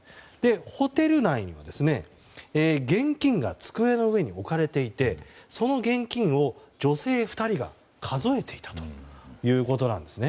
ホテル内に現金が机の上に置かれていてその現金を女性２人が数えていたということです。